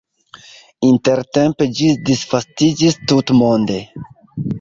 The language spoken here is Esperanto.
Intertempe ĝi disvastiĝis tutmonde.